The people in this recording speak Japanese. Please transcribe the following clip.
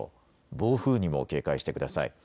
暴風にも警戒してください。